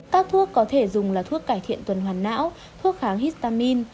các thuốc có thể dùng là thuốc cải thiện tuần hoàn não thuốc kháng histamin